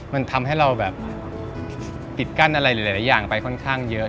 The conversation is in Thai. มันทำให้เราแบบปิดกั้นอะไรหลายอย่างไปค่อนข้างเยอะ